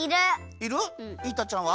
いる。